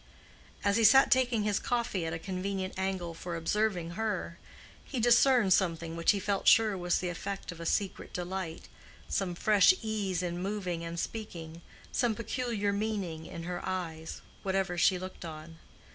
As he sat taking his coffee at a convenient angle for observing her, he discerned something which he felt sure was the effect of a secret delight—some fresh ease in moving and speaking, some peculiar meaning in her eyes, whatever she looked on.